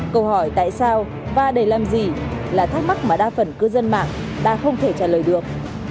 câu hỏi tại sao và để làm gì là thắc mắc mà đa phần cư dân mạng ta không thể trả lời được